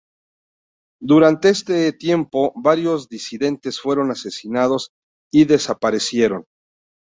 Durante ese tiempo varios disidentes fueron asesinados y 'desaparecieron'.